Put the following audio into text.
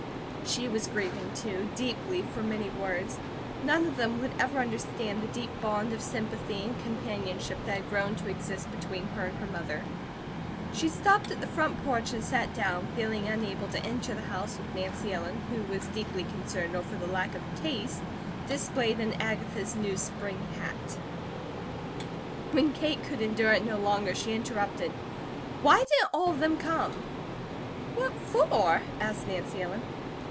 She was grieving too deeply for many words; none of them would ever understand the deep bond of sympathy and companionship that had grown to exist between her and her mother. She stopped at the front porch and sat down, feeling unable to enter the house with Nancy Ellen, who was deeply concerned over the lack of taste displayed in Agatha's new spring hat. When Kate could endure it no longer she interrupted: "Why didn't all of them come?" "What for?" asked Nancy Ellen.